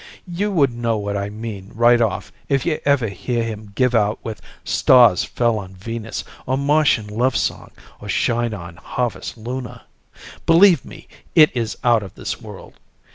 You would know what I mean right off if you ever hear him give out with "Stars Fell on Venus," or "Martian Love Song," or "Shine On, Harvest Luna." Believe me, it is out of this world.